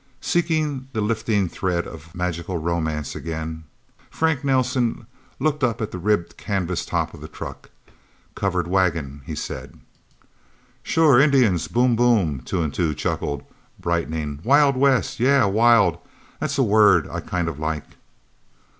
Seeking the lifting thread of magical romance again, Frank Nelsen looked up at the ribbed canvas top of the truck. "Covered wagon," he said. "Sure Indians boom boom," Two and Two chuckled, brightening. "Wild West... Yeah wild that's a word I kind of like."